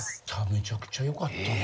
めちゃくちゃよかったね。